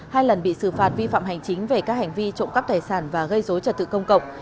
hai lần bị xử phạt vi phạm hành chính về các hành vi trộm cắp tài sản và gây dối trật tự công cộng